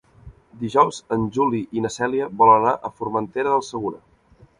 Dijous en Juli i na Cèlia volen anar a Formentera del Segura.